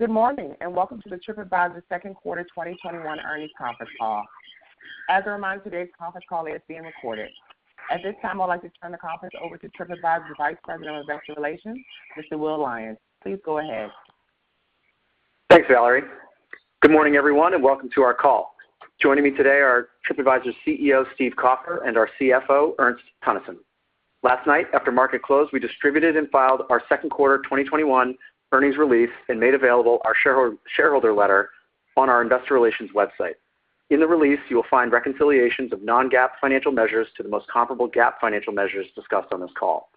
Good morning, and welcome to the TripAdvisor second quarter 2021 earnings conference call. As a reminder, today's conference call is being recorded. At this time, I'd like to turn the conference over to TripAdvisor's Vice President of Investor Relations, Mr. Will Lyons. Please go ahead. Thanks, Valerie. Good morning, everyone, welcome to our call. Joining me today are TripAdvisor CEO, Steve Kaufer, and our CFO, Ernst Teunissen. Last night, after market close, we distributed and filed our second quarter 2021 earnings release and made available our shareholder letter on our investor relations website. In the release, you will find reconciliations of non-GAAP financial measures to the most comparable GAAP financial measures discussed on this call.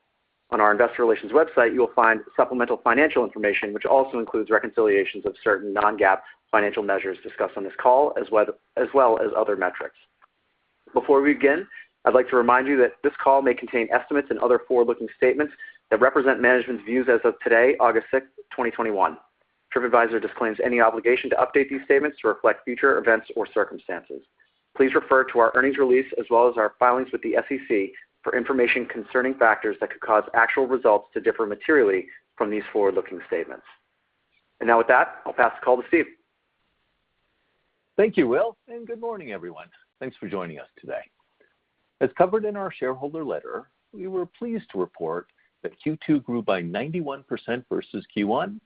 On our investor relations website, you will find supplemental financial information, which also includes reconciliations of certain non-GAAP financial measures discussed on this call, as well as other metrics. Before we begin, I'd like to remind you that this call may contain estimates and other forward-looking statements that represent management's views as of today, August 6th, 2021. TripAdvisor disclaims any obligation to update these statements to reflect future events or circumstances. Please refer to our earnings release as well as our filings with the SEC for information concerning factors that could cause actual results to differ materially from these forward-looking statements. Now with that, I'll pass the call to Steve. Thank you, Will, and good morning, everyone. Thanks for joining us today. As covered in our shareholder letter, we were pleased to report that Q2 grew by 91% versus Q1,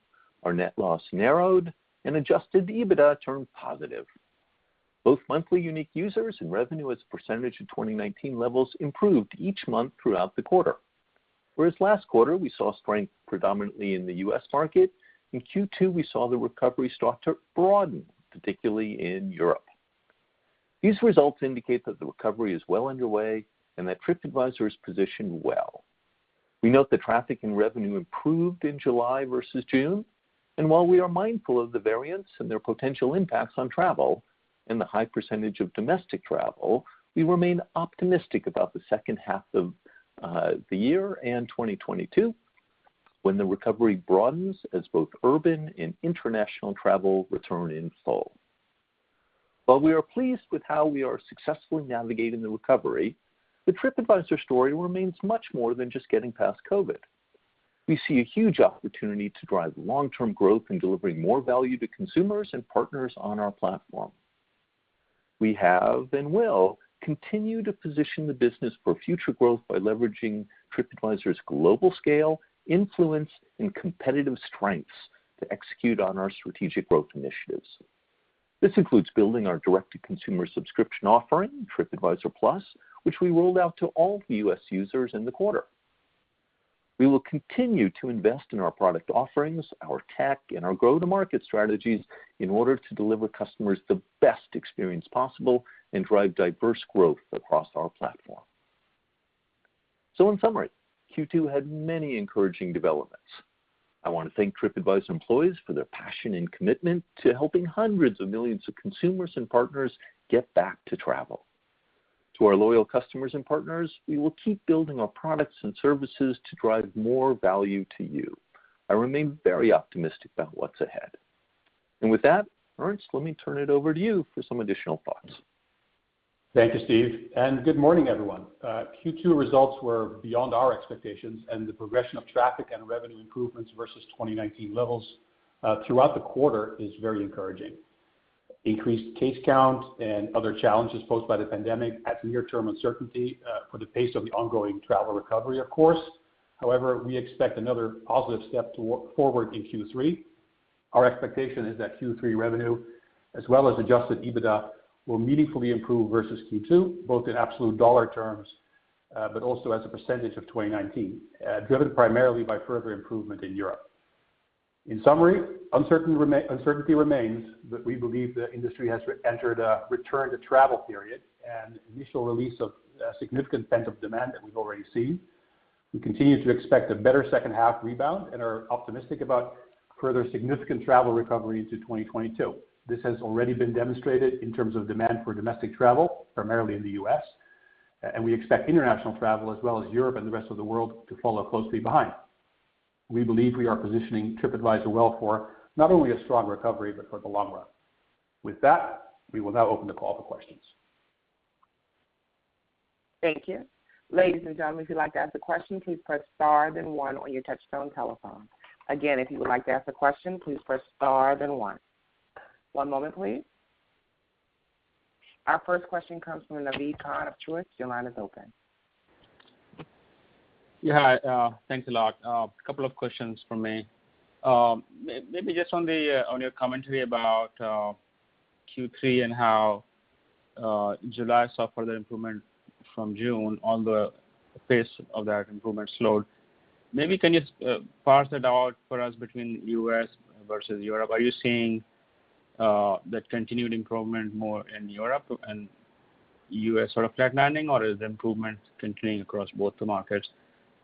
our net loss narrowed, and adjusted EBITDA turned positive. Both monthly unique users and revenue as a percentage of 2019 levels improved each month throughout the quarter. Whereas last quarter, we saw strength predominantly in the U.S. market, in Q2, we saw the recovery start to broaden, particularly in Europe. These results indicate that the recovery is well underway and that TripAdvisor is positioned well. We note that traffic and revenue improved in July versus June. While we are mindful of the variants and their potential impacts on travel and the high percentage of domestic travel, we remain optimistic about the second half of the year and 2022, when the recovery broadens as both urban and international travel return in full. While we are pleased with how we are successfully navigating the recovery, the TripAdvisor story remains much more than just getting past COVID. We see a huge opportunity to drive long-term growth in delivering more value to consumers and partners on our platform. We have, and will, continue to position the business for future growth by leveraging TripAdvisor's global scale, influence, and competitive strengths to execute on our strategic growth initiatives. This includes building our direct-to-consumer subscription offering, TripAdvisor Plus, which we rolled out to all the U.S. users in the quarter. We will continue to invest in our product offerings, our tech, and our go-to-market strategies in order to deliver customers the best experience possible and drive diverse growth across our platform. In summary, Q2 had many encouraging developments. I want to thank TripAdvisor employees for their passion and commitment to helping hundreds of millions of consumers and partners get back to travel. To our loyal customers and partners, we will keep building our products and services to drive more value to you. I remain very optimistic about what's ahead. With that, Ernst, let me turn it over to you for some additional thoughts. Thank you, Steve. Good morning, everyone. Q2 results were beyond our expectations. The progression of traffic and revenue improvements versus 2019 levels throughout the quarter is very encouraging. Increased case count and other challenges posed by the pandemic add to near-term uncertainty for the pace of the ongoing travel recovery, of course. However, we expect another positive step forward in Q3. Our expectation is that Q3 revenue, as well as adjusted EBITDA, will meaningfully improve versus Q2, both in absolute dollar terms, but also as a percentage of 2019, driven primarily by further improvement in Europe. In summary, uncertainty remains, but we believe the industry has entered a return-to-travel period and initial release of a significant pent-up demand that we've already seen. We continue to expect a better second half rebound and are optimistic about further significant travel recovery into 2022. This has already been demonstrated in terms of demand for domestic travel, primarily in the U.S. We expect international travel as well as Europe and the rest of the world to follow closely behind. We believe we are positioning TripAdvisor well for not only a strong recovery, but for the long run. With that, we will now open the call for questions. Thank you. Ladies and gentlemen, if you like to ask the question please press star then one on your touch-tone telephone. Again, if you would like to ask a question, please press star then one. One moment please. Our first question comes from Naved Khan of Truist. Yeah. Thanks a lot. A couple of questions from me. Maybe just on your commentary about Q3 and how July saw further improvement from June on the pace of that improvement slowed. Maybe can you parse it out for us between U.S. versus Europe? Are you seeing that continued improvement more in Europe and U.S. sort of flatlining, or is the improvement continuing across both the markets?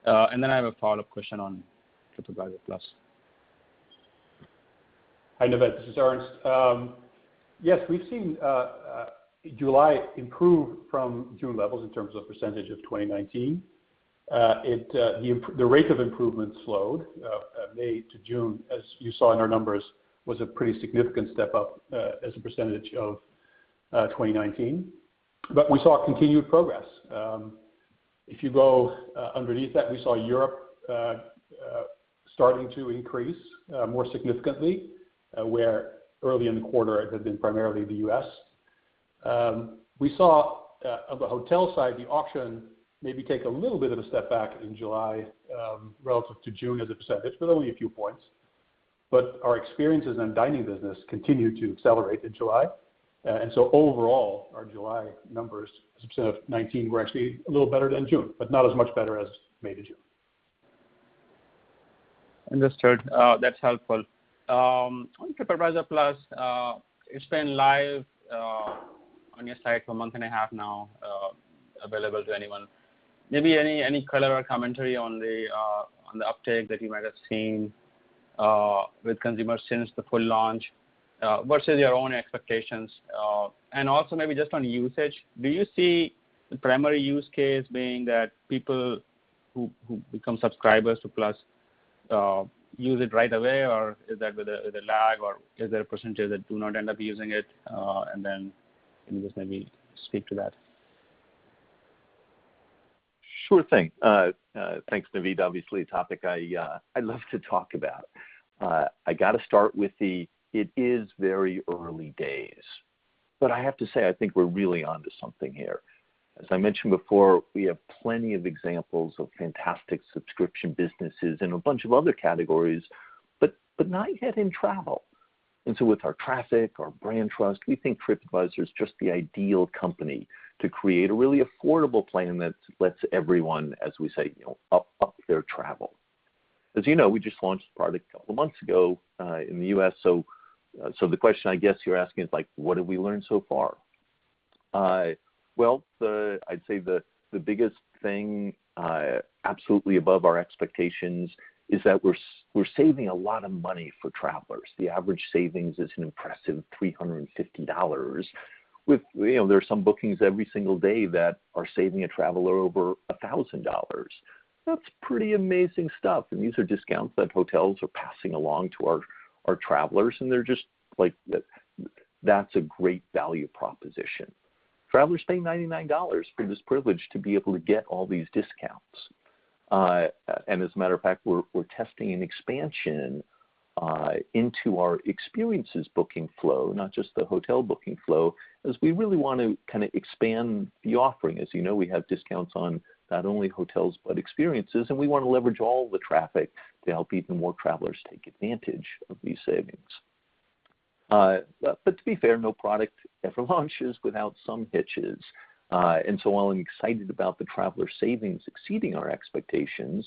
I have a follow-up question on TripAdvisor Plus. Hi, Naved, this is Ernst. Yes, we've seen July improve from June levels in terms of percentage of 2019. The rate of improvement slowed. May to June, as you saw in our numbers, was a pretty significant step up as a percentage of 2019. We saw continued progress. If you go underneath that, we saw Europe starting to increase more significantly, where early in the quarter it had been primarily the U.S. We saw, on the hotel side, the auction maybe take a little bit of a step back in July relative to June as a percentage, but only a few points. Our experiences and dining business continued to accelerate in July. Overall, our July numbers as a percentage of 2019 were actually a little better than June, but not as much better as May to June. Understood. That's helpful. On TripAdvisor Plus, it's been live on your site for a month and a half now, available to anyone. Maybe any color or commentary on the uptake that you might have seen with consumers since the full launch versus your own expectations? Also maybe just on usage, do you see the primary use case being that people who become subscribers to Plus use it right away, or is that with a lag, or is there a percentage that do not end up using it? Then can you just maybe speak to that? Sure thing. Thanks, Naved Khan. Obviously, a topic I love to talk about. I got to start with, it is very early days. I have to say, I think we're really onto something here. As I mentioned before, we have plenty of examples of fantastic subscription businesses in a bunch of other categories, but not yet in travel. With our traffic, our brand trust, we think TripAdvisor is just the ideal company to create a really affordable plan that lets everyone, as we say, up their travel. As you know, we just launched the product a couple months ago, in the U.S. The question I guess you're asking is, what did we learn so far? I'd say the biggest thing, absolutely above our expectations, is that we're saving a lot of money for travelers. The average savings is an impressive $350. There's some bookings every single day that are saving a traveler over $1,000. That's pretty amazing stuff. These are discounts that hotels are passing along to our travelers. That's a great value proposition. Travelers pay $99 for this privilege to be able to get all these discounts. As a matter of fact, we're testing an expansion into our experiences booking flow, not just the hotel booking flow, as we really want to expand the offering. As you know, we have discounts on not only hotels, but experiences. We want to leverage all the traffic to help even more travelers take advantage of these savings. To be fair, no product ever launches without some hitches. While I'm excited about the traveler savings exceeding our expectations,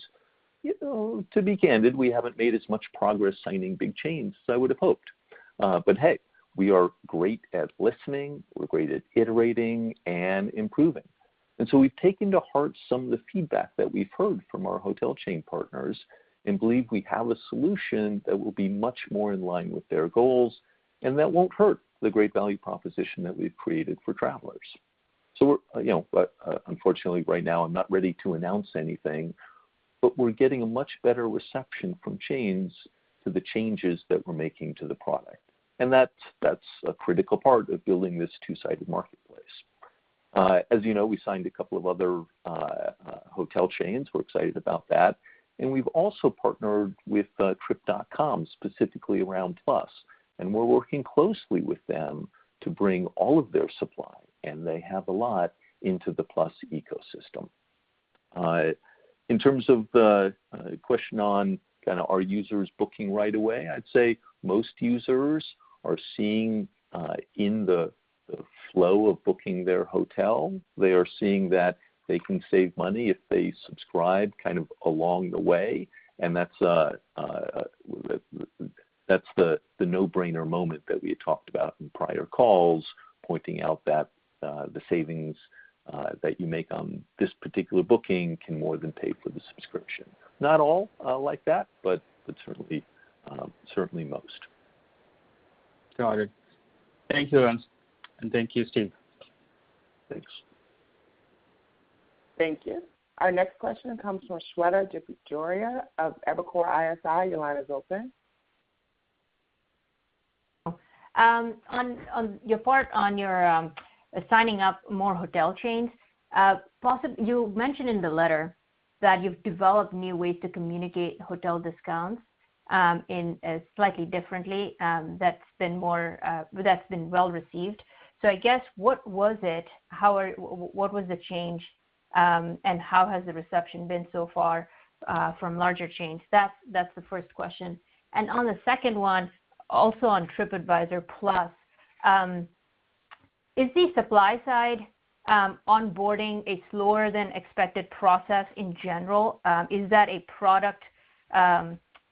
to be candid, we haven't made as much progress signing big chains as I would have hoped. Hey, we are great at listening, we're great at iterating and improving. We've taken to heart some of the feedback that we've heard from our hotel chain partners and believe we have a solution that will be much more in line with their goals and that won't hurt the great value proposition that we've created for travelers. Unfortunately, right now, I'm not ready to announce anything, but we're getting a much better reception from chains to the changes that we're making to the product. That's a critical part of building this two-sided marketplace. As you know, we signed a couple of other hotel chains. We're excited about that. We've also partnered with Trip.com, specifically around Plus, and we're working closely with them to bring all of their supply, and they have a lot, into the Plus ecosystem. In terms of the question on are users booking right away, I'd say most users are seeing in the flow of booking their hotel, they are seeing that they can save money if they subscribe along the way, and that's the no-brainer moment that we had talked about in prior calls, pointing out that the savings that you make on this particular booking can more than pay for the subscription. Not all are like that, but certainly most. Got it. Thank you, Ernst, and thank you, Steve. Thanks. Thank you. Our next question comes from Shweta Khajuria of Evercore ISI. Your line is open. On your part on your signing up more hotel chains, you mentioned in the letter that you've developed new ways to communicate hotel discounts slightly differently, that's been well received. I guess, what was it? What was the change, and how has the reception been so far from larger chains? That's the first question. On the second one, also on TripAdvisor Plus, is the supply side onboarding a slower than expected process in general? Is that a product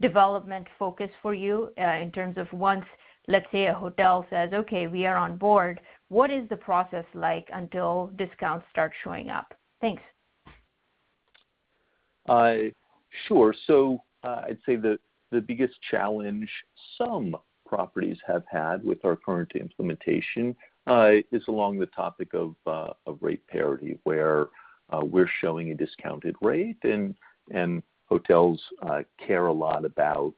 development focus for you in terms of once, let's say, a hotel says, "Okay, we are on board," what is the process like until discounts start showing up? Thanks. Sure. I'd say the biggest challenge some properties have had with our current implementation is along the topic of rate parity, where we're showing a discounted rate, and hotels care a lot about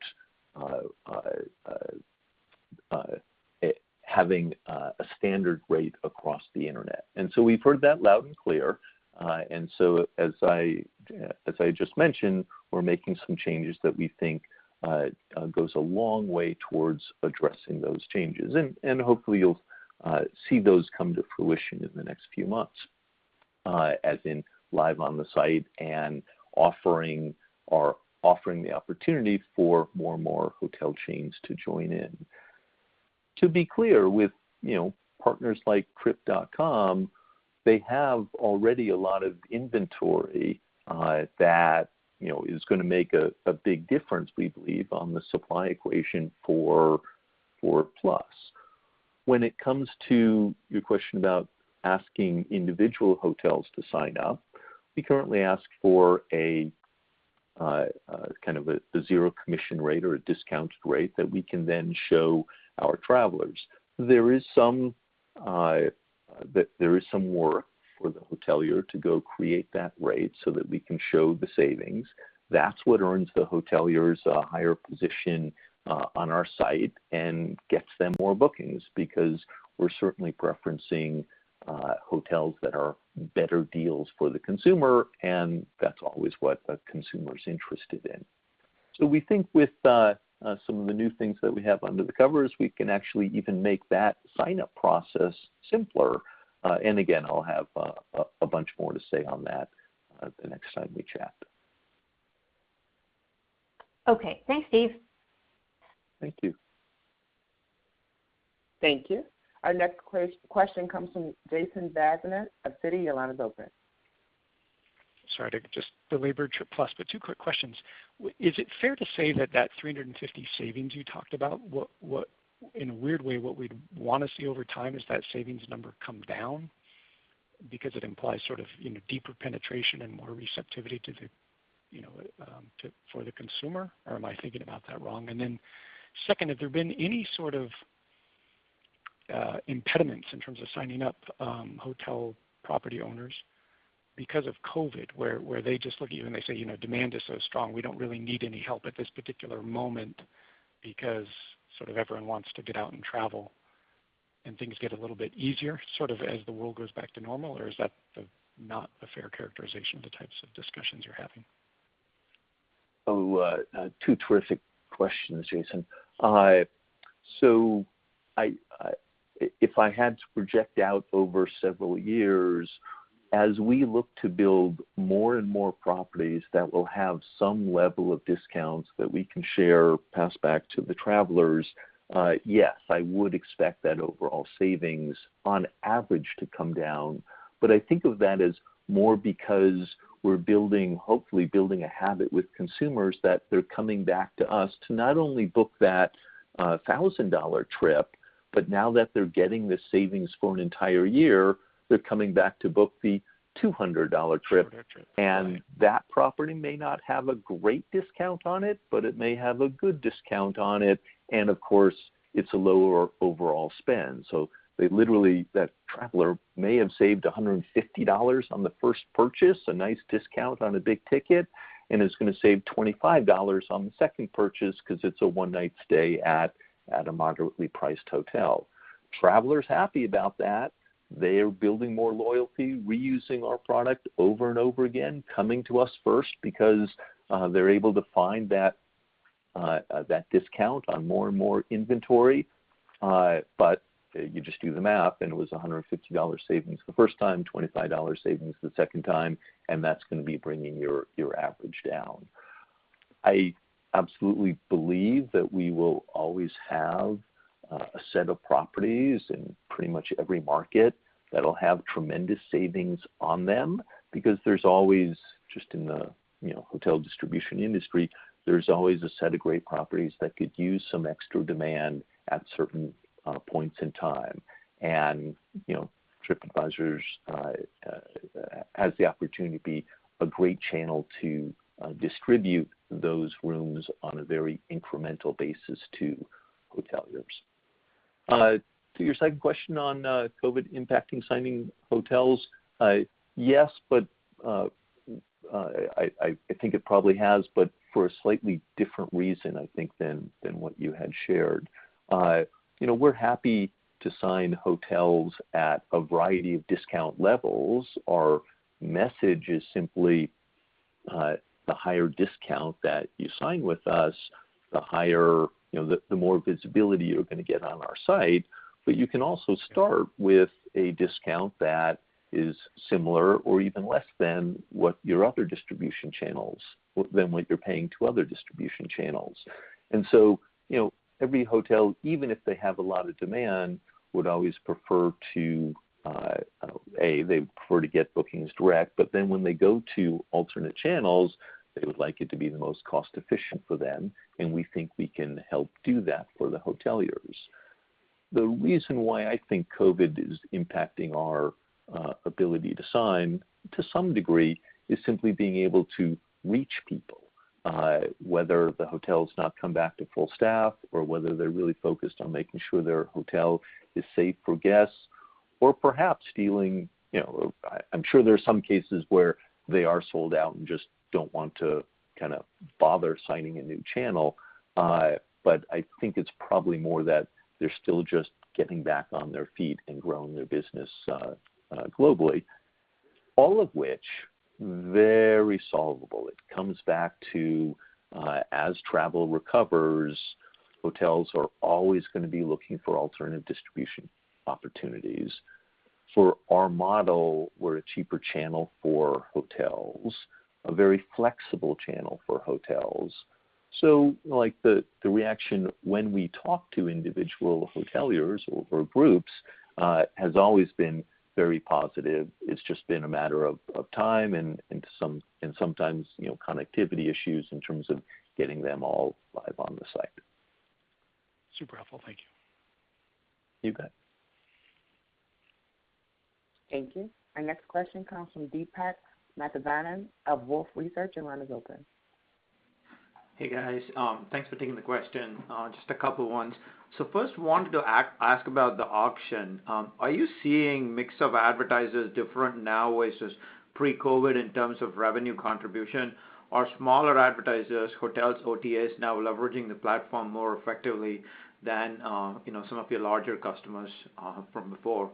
having a standard rate across the internet. We've heard that loud and clear. As I just mentioned, we're making some changes that we think goes a long way towards addressing those changes. Hopefully you'll see those come to fruition in the next few months, as in live on the site and offering the opportunity for more and more hotel chains to join in. To be clear, with partners like Trip.com, they have already a lot of inventory that is going to make a big difference, we believe, on the supply equation for Plus. When it comes to your question about asking individual hotels to sign up, we currently ask for a zero commission rate or a discounted rate that we can then show our travelers. There is some work for the hotelier to go create that rate so that we can show the savings. That's what earns the hoteliers a higher position on our site and gets them more bookings, because we're certainly preferencing hotels that are better deals for the consumer, and that's always what a consumer is interested in. We think with some of the new things that we have under the covers, we can actually even make that sign-up process simpler. Again, I'll have a bunch more to say on that the next time we chat. Okay. Thanks, Steve. Thank you. Thank you. Our next question comes from Jason Bazinet of Citi, your line is open. Sorry to just belabor TripAdvisor Plus, two quick questions. Is it fair to say that $350 savings you talked about, in a weird way, what we'd want to see over time is that savings number come down because it implies deeper penetration and more receptivity for the consumer, or am I thinking about that wrong? Second, have there been any sort of impediments in terms of signing up hotel property owners because of COVID, where they just look at you and they say, "Demand is so strong, we don't really need any help at this particular moment," because everyone wants to get out and travel and things get a little bit easier as the world goes back to normal? Is that not a fair characterization of the types of discussions you're having? Oh, two terrific questions, Jason. If I had to project out over several years, as we look to build more and more properties that will have some level of discounts that we can share, pass back to the travelers, yes, I would expect that overall savings on average to come down. I think of that as more because we're building, hopefully building a habit with consumers that they're coming back to us to not only book that $1,000 trip, but now that they're getting the savings for an entire year, they're coming back to book the $200 trip. $200 trip. Right. That property may not have a great discount on it, but it may have a good discount on it. Of course, it's a lower overall spend. Literally, that traveler may have saved $150 on the first purchase, a nice discount on a big ticket, and is going to save $25 on the second purchase because it's a one night stay at a moderately priced hotel. Traveler's happy about that. They are building more loyalty, reusing our product over and over again, coming to us first because they're able to find that discount on more and more inventory. You just do the math, and it was $150 savings the first time, $25 savings the second time, and that's going to be bringing your average down. I absolutely believe that we will always have a set of properties in pretty much every market that'll have tremendous savings on them because there's always, just in the hotel distribution industry, there's always a set of great properties that could use some extra demand at certain points in time. TripAdvisor has the opportunity to be a great channel to distribute those rooms on a very incremental basis to hoteliers. To your second question on COVID impacting signing hotels, yes, I think it probably has, but for a slightly different reason, I think, than what you had shared. We're happy to sign hotels at a variety of discount levels. Our message is simply the higher discount that you sign with us, the more visibility you're going to get on our site. You can also start with a discount that is similar or even less than what you're paying to other distribution channels. Every hotel, even if they have a lot of demand, would always, they prefer to get bookings direct, when they go to alternate channels, they would like it to be the most cost efficient for them. We think we can help do that for the hoteliers. The reason why I think COVID is impacting our ability to sign, to some degree, is simply being able to reach people. Whether the hotel's not come back to full staff, or whether they're really focused on making sure their hotel is safe for guests. I'm sure there are some cases where they are sold out and just don't want to bother signing a one new channel. I think it's probably more that they're still just getting back on their feet and growing their business globally. All of which, very solvable. It comes back to as travel recovers, hotels are always going to be looking for alternative distribution opportunities. For our model, we're a cheaper channel for hotels, a very flexible channel for hotels. The reaction when we talk to individual hoteliers or groups, has always been very positive. It's just been a matter of time and sometimes connectivity issues in terms of getting them all live on the site. Super helpful. Thank you. You bet. Thank you. Our next question comes from Deepak Mathivanan of Wolfe Research. Your line is open. Hey, guys. Thanks for taking the question. Just a couple ones. First, wanted to ask about the auction. Are you seeing mix of advertisers different now versus pre-COVID in terms of revenue contribution? Are smaller advertisers, hotels, OTAs, now leveraging the platform more effectively than some of your larger customers from before?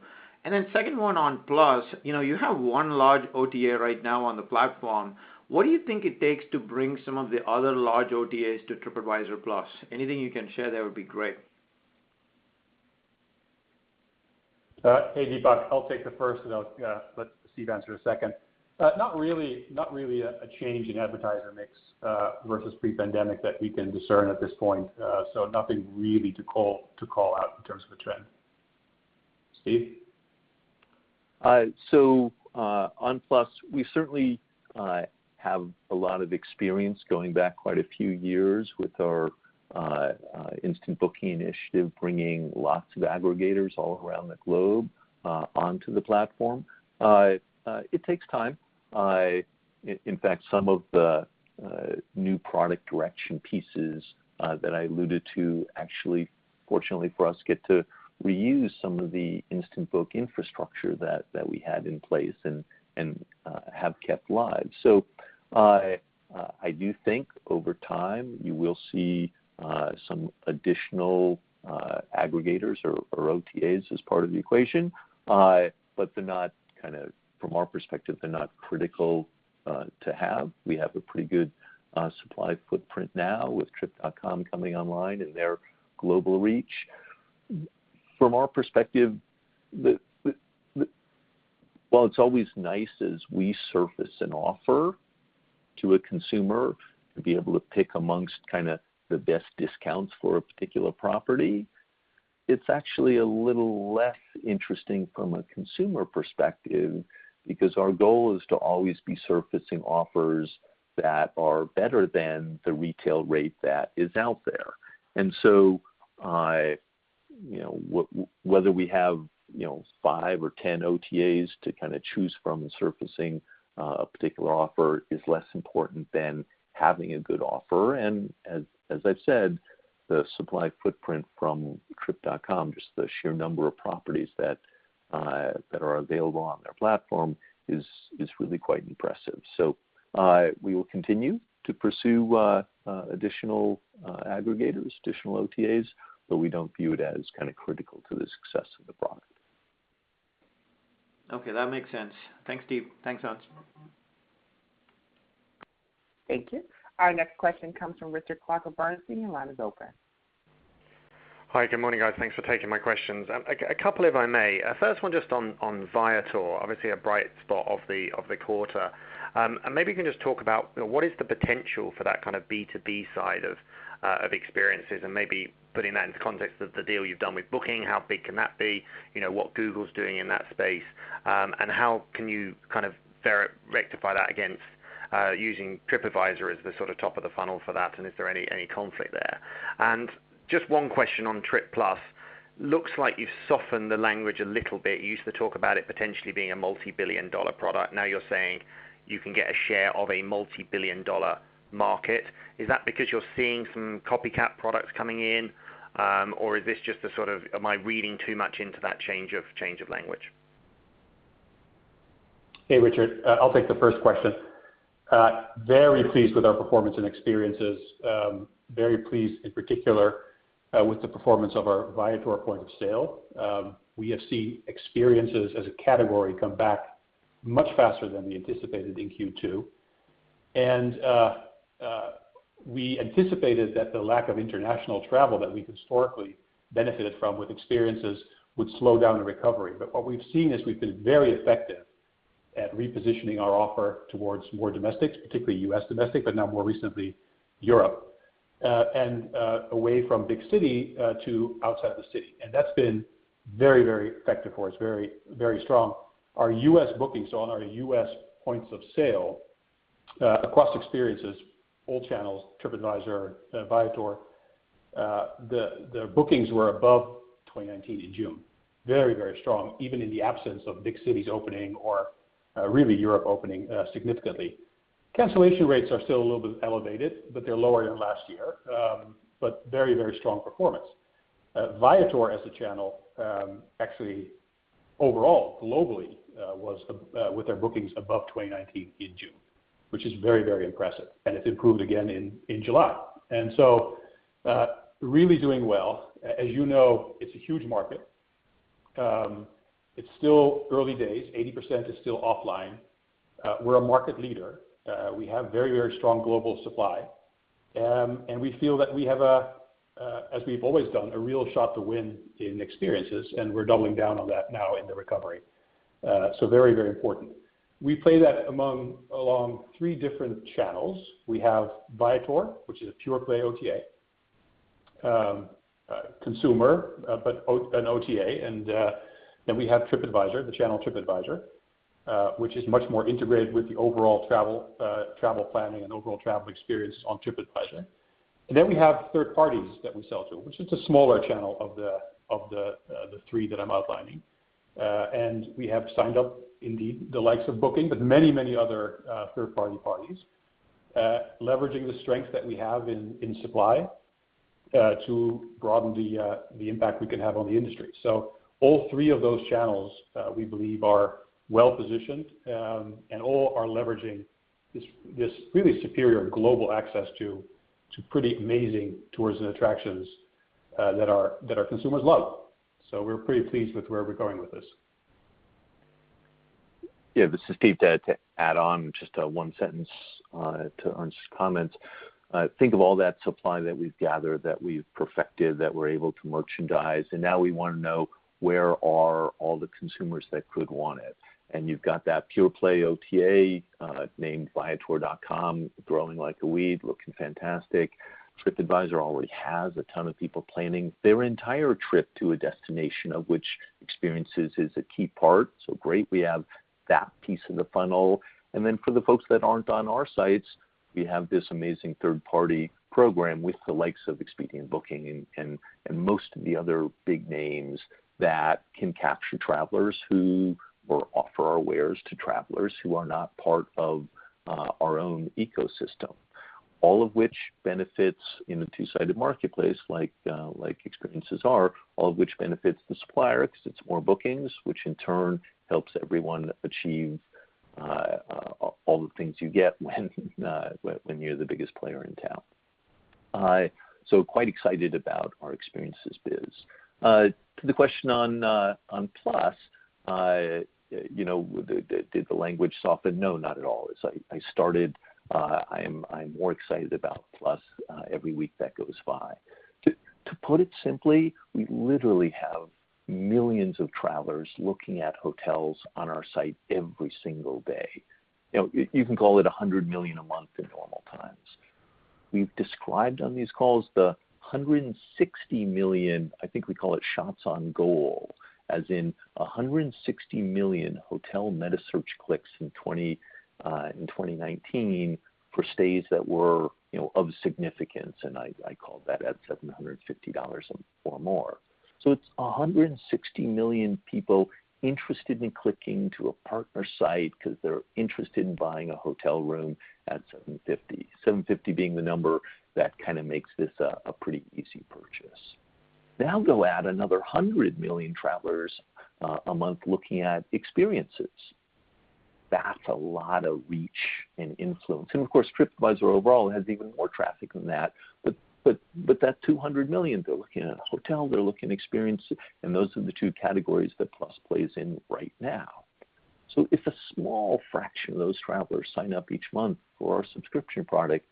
Second one on Plus. You have one large OTA right now on the platform. What do you think it takes to bring some of the other large OTAs to TripAdvisor Plus? Anything you can share there would be great. Hey, Deepak. I'll take the first and I'll let Steve answer the second. Not really a change in advertiser mix, versus pre-pandemic that we can discern at this point. Nothing really to call out in terms of a trend. Steve? On Plus, we certainly have a lot of experience going back quite a few years with our Instant Booking initiative, bringing lots of aggregators all around the globe onto the platform. It takes time. In fact, some of the new product direction pieces that I alluded to, actually, fortunately for us, get to reuse some of the Instant Booking infrastructure that we had in place and have kept live. I do think over time, you will see some additional aggregators or OTAs as part of the equation. From our perspective, they're not critical to have. We have a pretty good supply footprint now with Trip.com coming online and their global reach. From our perspective, while it's always nice as we surface an offer to a consumer to be able to pick amongst the best discounts for a particular property, it's actually a little less interesting from a consumer perspective, because our goal is to always be surfacing offers that are better than the retail rate that is out there. Whether we have five or 10 OTAs to choose from in surfacing a particular offer is less important than having a good offer, and as I've said, the supply footprint from Trip.com, just the sheer number of properties that are available on their platform is really quite impressive. We will continue to pursue additional aggregators, additional OTAs, but we don't view it as critical to the success of the product. Okay. That makes sense. Thanks, Steve. Thanks, Ernst. Thank you. Our next question comes from Richard Clarke of Bernstein. Your line is open. Hi. Good morning, guys. Thanks for taking my questions. A couple, if I may. First one just on Viator. Obviously, a bright spot of the quarter. Maybe you can just talk about what is the potential for that B2B side of experiences and maybe putting that into context of the deal you've done with Booking, how big can that be? What Google's doing in that space, and how can you rectify that against using TripAdvisor as the top of the funnel for that, and is there any conflict there? Just one question on TripAdvisor Plus. Looks like you've softened the language a little bit. You used to talk about it potentially being a multi-billion dollar product. Now you're saying you can get a share of a multi-billion dollar market. Is that because you're seeing some copycat products coming in, or am I reading too much into that change of language? Hey, Richard. I'll take the first question. Very pleased with our performance and experiences. Very pleased, in particular, with the performance of our Viator point of sale. We have seen experiences as a category come back much faster than we anticipated in Q2. We anticipated that the lack of international travel that we historically benefited from with experiences would slow down the recovery. What we've seen is we've been very effective at repositioning our offer towards more domestic, particularly U.S. domestic, but now more recently, Europe. Away from big city, to outside the city. That's been very effective for us. Very strong. Our U.S. bookings, so on our U.S. points of sale, across experiences, all channels, TripAdvisor, Viator, the bookings were above 2019 in June. Very strong, even in the absence of big cities opening or really Europe opening significantly. Cancellation rates are still a little bit elevated, but they're lower than last year. Very strong performance. Viator as a channel, actually overall, globally, was with their bookings above 2019 in June, which is very impressive, and it improved again in July. Really doing well. As you know, it's a huge market. It's still early days, 80% is still offline. We're a market leader. We have very strong global supply. We feel that we have, as we've always done, a real shot to win in experiences, and we're doubling down on that now in the recovery. Very important. We play that along three different channels. We have Viator, which is a pure play OTA, consumer, but an OTA. We have TripAdvisor, the channel TripAdvisor, which is much more integrated with the overall travel planning and overall travel experience on TripAdvisor. We have third parties that we sell to, which is a smaller channel of the three that I'm outlining. We have signed up indeed the likes of Booking, but many other third parties, leveraging the strength that we have in supply to broaden the impact we can have on the industry. All three of those channels, we believe are well-positioned, and all are leveraging this really superior global access to pretty amazing tours and attractions that our consumers love. We're pretty pleased with where we're going with this. Yeah. This is Steve. To add on just one sentence to Ernst's comments. Now we want to know where are all the consumers that could want it. You've got that pure play OTA, named viator.com, growing like a weed, looking fantastic. TripAdvisor already has a ton of people planning their entire trip to a destination of which experiences is a key part. Great, we have that piece of the funnel. Then for the folks that aren't on our sites, we have this amazing third-party program with the likes of Expedia and Booking and most of the other big names that can capture travelers who will offer our wares to travelers who are not part of our own ecosystem. All of which benefits the supplier because it's more bookings, which in turn helps everyone achieve all the things you get when you're the biggest player in town. Quite excited about our experiences biz. To the question on Plus, did the language soften? No, not at all. As I started, I'm more excited about Plus every week that goes by. To put it simply, we literally have millions of travelers looking at hotels on our site every single day. You can call it 100 million a month in normal times. We've described on these calls the 160 million, I think we call it shots on goal, as in 160 million hotel metasearch clicks in 2019 for stays that were of significance, and I called that at $750 or more. It's 160 million people interested in clicking to a partner site because they're interested in buying a hotel room at $750. $750 being the number that kind of makes this a pretty easy purchase. Now go add another 100 million travelers a month looking at experiences. That's a lot of reach and influence. Of course, TripAdvisor overall has even more traffic than that, but that 200 million, they're looking at hotels, they're looking at experiences, and those are the two categories that Plus plays in right now. If a small fraction of those travelers sign up each month for our subscription product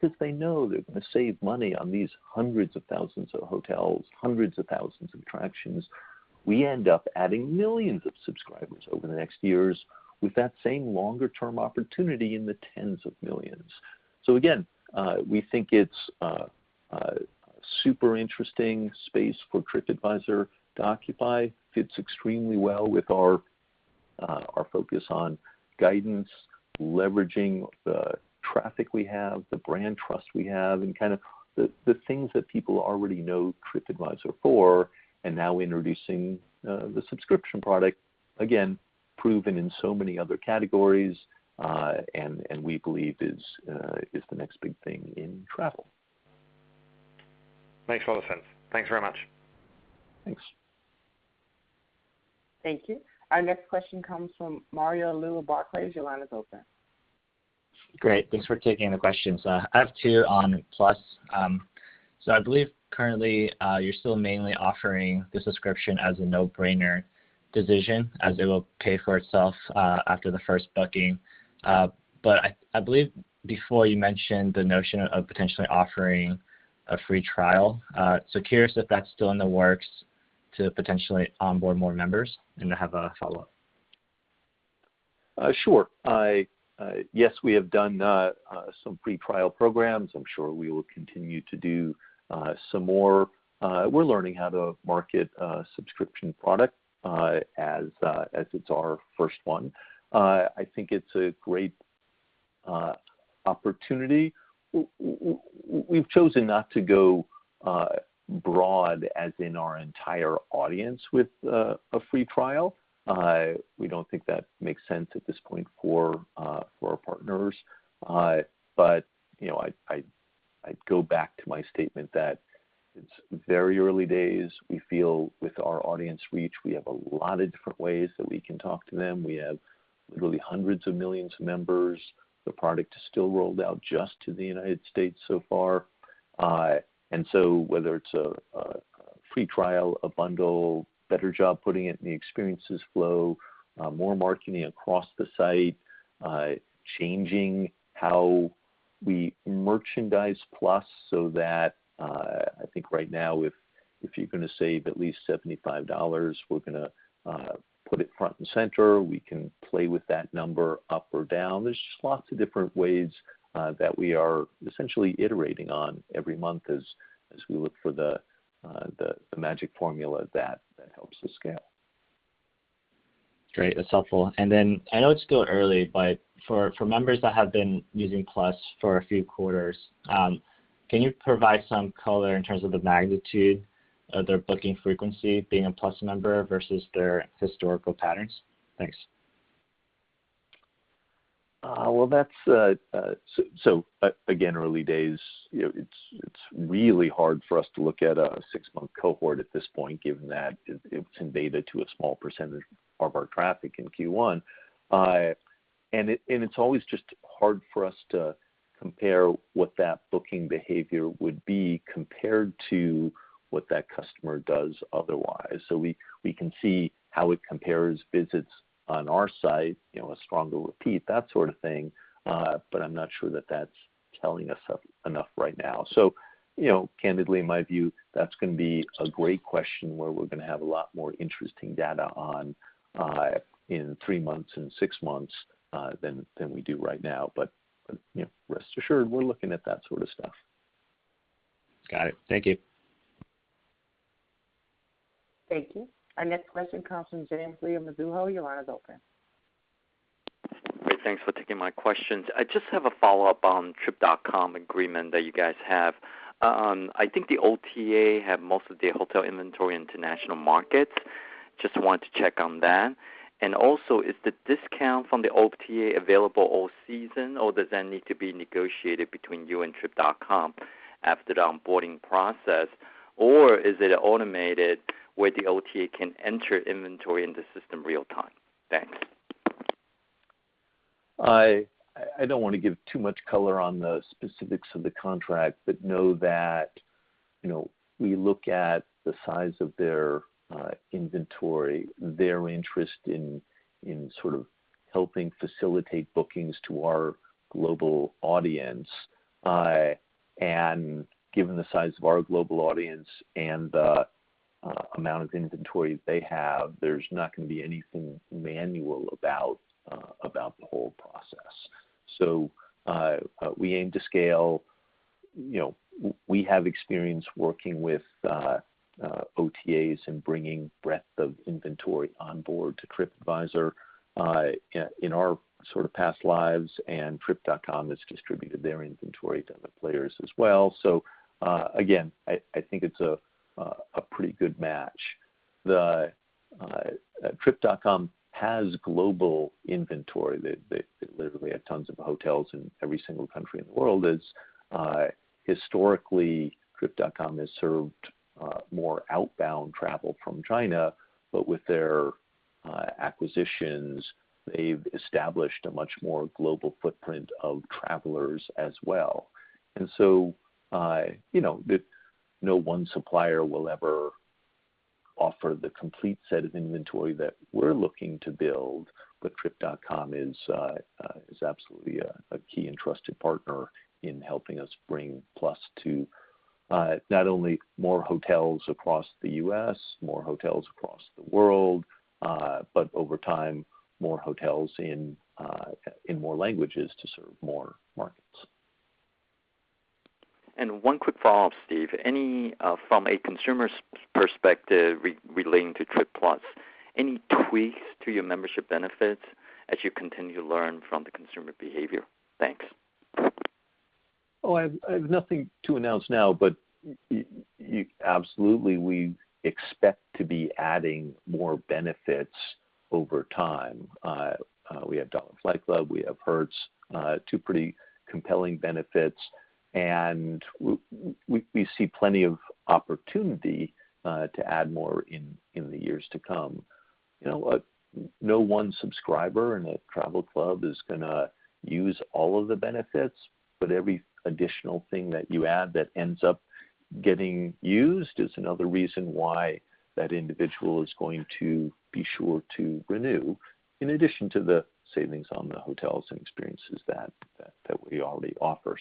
because they know they're going to save money on these hundreds of thousands of hotels, hundreds of thousands of attractions, we end up adding millions of subscribers over the next years with that same longer term opportunity in the tens of millions. Again, we think it's a super interesting space for TripAdvisor to occupy, fits extremely well with our focus on guidance, leveraging the traffic we have, the brand trust we have, and kind of the things that people already know TripAdvisor for, and now introducing the subscription product, again, proven in so many other categories, and we believe is the next big thing in travel. Makes a lot of sense. Thanks very much. Thanks. Thank you. Our next question comes from Mario Lu of Barclays. Your line is open. Great. Thanks for taking the questions. I have two on Plus. I believe currently, you're still mainly offering the subscription as a no-brainer decision, as it will pay for itself after the first booking. I believe before you mentioned the notion of potentially offering a free trial. Curious if that's still in the works to potentially onboard more members? I have a follow-up. Sure. Yes, we have done some free trial programs. I'm sure we will continue to do some more. We're learning how to market a subscription product, as it's our first one. I think it's a great opportunity. We've chosen not to go broad as in our entire audience with a free trial. We don't think that makes sense at this point for our partners. I'd go back to my statement that it's very early days. We feel with our audience reach, we have a lot of different ways that we can talk to them. We have literally hundreds of millions of members. The product is still rolled out just to the United States so far. Whether it's a free trial, a bundle, better job putting it in the experiences flow, more marketing across the site, changing how we merchandise Plus so that, I think right now if you're going to save at least $75, we're going to put it front and center. We can play with that number up or down. There's just lots of different ways that we are essentially iterating on every month as we look for the magic formula that helps us scale. Great. That's helpful. I know it's still early, but for members that have been using Plus for a few quarters, can you provide some color in terms of the magnitude of their booking frequency being a Plus member versus their historical patterns? Thanks. Again, early days, it's really hard for us to look at a six-month cohort at this point, given that it's in beta to a small percentage of our traffic in Q1. It's always just hard for us to compare what that booking behavior would be compared to what that customer does otherwise. We can see how it compares visits on our site, a stronger repeat, that sort of thing. I'm not sure that's telling us enough right now. Candidly, in my view, that's going to be a great question where we're going to have a lot more interesting data on in three months, in six months, than we do right now. Rest assured, we're looking at that sort of stuff. Got it. Thank you. Thank you. Our next question comes from James Lee of Mizuho. Your line is open. Great. Thanks for taking my questions. I just have a follow-up on Trip.com agreement that you guys have. I think the OTA have most of their hotel inventory international markets. Just want to check on that. Also, is the discount from the OTA available all season, or does that need to be negotiated between you and Trip.com after the onboarding process? Or is it automated where the OTA can enter inventory in the system real time? Thanks. I don't want to give too much color on the specifics of the contract, but know that we look at the size of their inventory, their interest in sort of helping facilitate bookings to our global audience. Given the size of our global audience and the amount of inventory they have, there's not going to be anything manual about the whole process. We aim to scale. We have experience working with OTAs and bringing breadth of inventory on board to TripAdvisor in our sort of past lives, and Trip.com has distributed their inventory to the players as well. Again, I think it's a pretty good match. Trip.com has global inventory. They literally have tons of hotels in every single country in the world, as historically Trip.com has served more outbound travel from China. With their acquisitions, they've established a much more global footprint of travelers as well. No one supplier will ever offer the complete set of inventory that we're looking to build, but Trip.com is absolutely a key and trusted partner in helping us bring Plus to not only more hotels across the U.S., more hotels across the world, but over time, more hotels in more languages to serve more markets. One quick follow-up, Steve. From a consumer's perspective relating to TripAdvisor Plus, any tweaks to your membership benefits as you continue to learn from the consumer behavior? Thanks. Oh, I have nothing to announce now, but absolutely, we expect to be adding more benefits over time. We have Dollar Flight Club, we have Hertz, two pretty compelling benefits, and we see plenty of opportunity to add more in the years to come. No one subscriber in a travel club is going to use all of the benefits, but every additional thing that you add that ends up getting used is another reason why that individual is going to be sure to renew, in addition to the savings on the hotels and experiences that we already offer.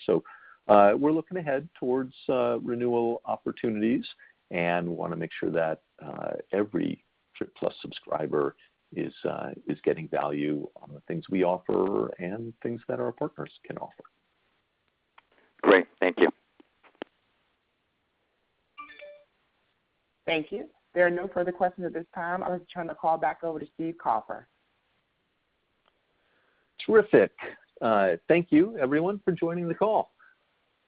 We're looking ahead towards renewal opportunities, and we want to make sure that every TripAdvisor Plus subscriber is getting value on the things we offer and things that our partners can offer. Great. Thank you. Thank you. There are no further questions at this time. I would like to turn the call back over to Steve Kaufer. Terrific. Thank you everyone for joining the call.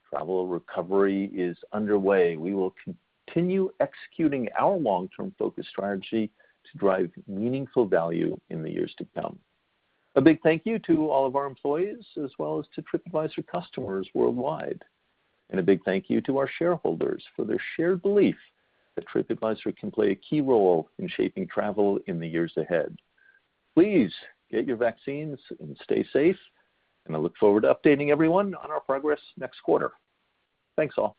Travel recovery is underway. We will continue executing our long-term focus strategy to drive meaningful value in the years to come. A big thank you to all of our employees, as well as to TripAdvisor customers worldwide. A big thank you to our shareholders for their shared belief that TripAdvisor can play a key role in shaping travel in the years ahead. Please get your vaccines and stay safe, and I look forward to updating everyone on our progress next quarter. Thanks, all.